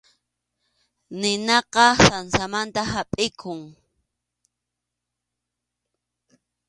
Ninaqa sansamanta hapʼikun.